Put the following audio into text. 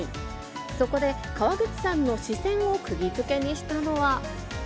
そこで、川口さんの視線をくぎづけにしたのは。